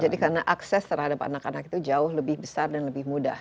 jadi karena akses terhadap anak anak itu jauh lebih besar dan lebih mudah